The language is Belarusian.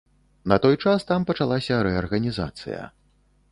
На той час там пачалася рэарганізацыя.